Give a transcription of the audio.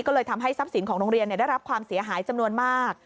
ก็เลยทำให้ทรัพย์สินของโรงเรียนได้รับความเสียหายจำนวนมาก